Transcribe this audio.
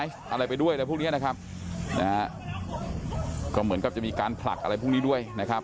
แต่พวกนี้นะครับก็เหมือนกับจะมีการผลักอะไรพวกนี้ด้วยนะครับ